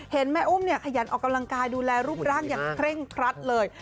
เห็นแม่อุ้มเนี่ยขยันออกกำลังกายดูแลรูปร่างอย่างเคร่งครัดเลย